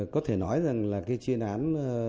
có thể nói rằng là cái chuyên án